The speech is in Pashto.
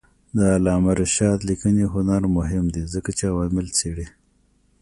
د علامه رشاد لیکنی هنر مهم دی ځکه چې عوامل څېړي.